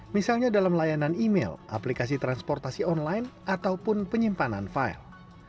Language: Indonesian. misalnya dalam layanan email aplikasi transportasi online ataupun penyimpanan file